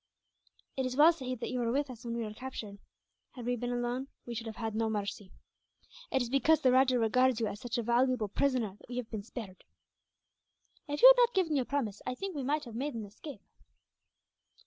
"It is well, sahib, that you were with us when we were captured. Had we been alone, we should have had no mercy. It is because the rajah regards you as such a valuable prisoner that we have been spared. "If you had not given your promise, I think we might have made our escape."